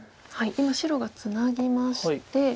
今白がツナぎまして。